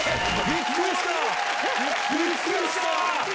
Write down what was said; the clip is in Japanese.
びっくりした。